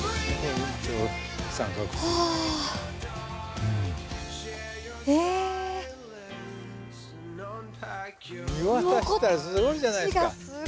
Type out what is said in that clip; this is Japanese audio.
見渡したらすごいじゃないですか。